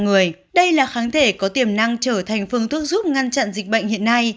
người đây là kháng thể có tiềm năng trở thành phương thức giúp ngăn chặn dịch bệnh hiện nay